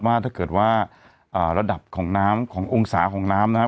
ว่าถ้าเกิดว่าระดับของน้ำขององศาของน้ำนะครับ